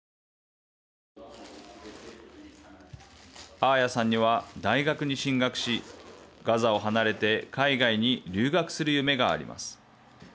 アーヤさんには大学に進学しガザを離れて海外に留学する夢があります。